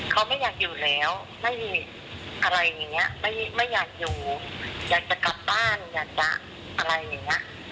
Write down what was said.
เขาไม่อยากอยู่แล้วไม่อยากอยู่อยากจะกลับบ้านอยากจะอะไรอย่างนี้